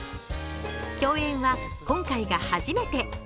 共演は今回が初めて。